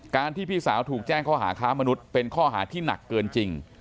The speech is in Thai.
ที่พี่สาวถูกแจ้งข้อหาค้ามนุษย์เป็นข้อหาที่หนักเกินจริง